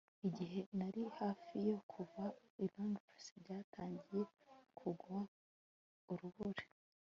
igihe nari hafi yo kuva i londres, byatangiye kugwa urubura